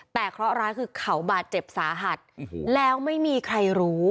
แต่เคราะห์ร้ายคือเขาบาดเจ็บสาหัสแล้วไม่มีใครรู้